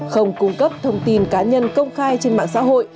không cung cấp thông tin cá nhân công khai trên mạng xã hội